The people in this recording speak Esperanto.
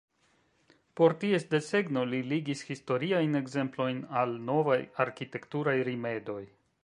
Por ties desegno li ligis historiajn ekzemplojn al novaj arkitekturaj rimedoj.